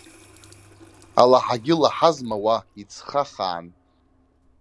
Алаҳагьы лаҳазма уа, ицха хаан.